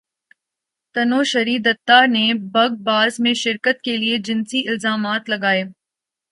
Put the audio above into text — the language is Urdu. تنوشری دتہ نے بگ باس میں شرکت کیلئے جنسی الزامات لگائے